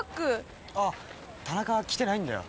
あっ田中来てないんだよ。